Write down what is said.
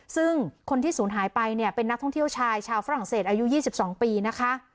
ซึ่งคนที่ศูนย์หายไปเนี่ยเป็นนักท่องเที่ยวชายชาวฝรั่งเศสอายุ๒๒ปีนะคะ